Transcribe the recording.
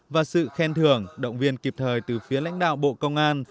và sự khen thưởng động viên kịp thời từ phía lãnh đạo bộ công an